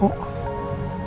lu nggak salah